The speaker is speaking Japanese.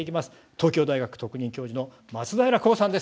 東京大学特任教授の松平浩さんです。